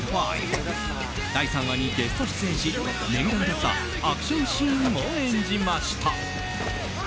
第３話にゲスト出演し念願だったアクションシーンも演じました。